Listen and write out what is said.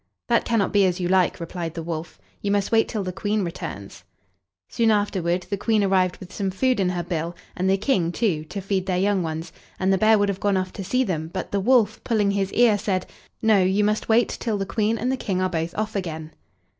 "That cannot be as you like," replied the wolf. "You must wait till the Queen returns." Soon afterward the Queen arrived with some food in her bill, and the King, too, to feed their young ones, and the bear would have gone off to see them, but the wolf, pulling his ear, said: "No, you must wait till the Queen and the King are both off again."